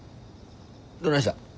どないした？